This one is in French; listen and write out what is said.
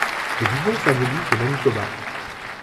Le bison symbolise le Manitoba.